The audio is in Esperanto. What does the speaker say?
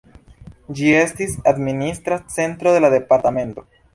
Ĝi estis administra centro de la departemento.